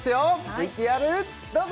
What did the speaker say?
ＶＴＲどうぞ！